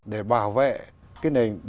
để bảo vệ nền bộ